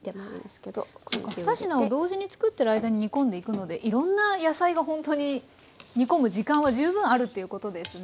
２品を同時に作ってる間に煮込んでいくのでいろんな野菜がほんとに煮込む時間は十分あるっていうことですね。